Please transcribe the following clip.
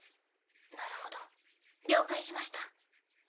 なるほど了解しました。